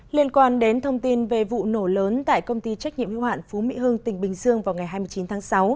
liên quan đến thông tin về vụ nổ lớn tại công ty trách nhiệm hiệu hạn phú mỹ hưng tỉnh bình dương vào ngày hai mươi chín tháng sáu